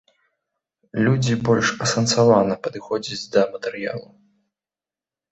Людзі больш асэнсавана падыходзяць да матэрыялу.